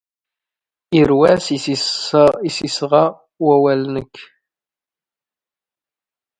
ⵉⵔⵡⴰⵙ ⵉⵙ ⵉⵙⵙⴰⵖ ⵡⴰⵡⵍ ⵏⵏⴽ.